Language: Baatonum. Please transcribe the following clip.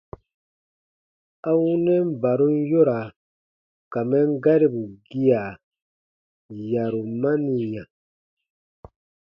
A wunɛn barum yoraa ka mɛn garibu gia, yarumaniya.